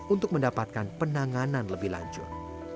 untuk mendapatkan penanganan lebih lanjut